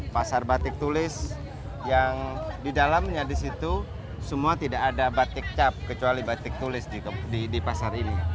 pasar batik tulis yang di dalamnya di situ semua tidak ada batik cap kecuali batik tulis di pasar ini